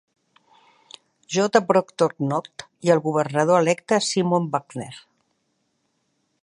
J. Proctor Knott i el governador electe Simon Buckner.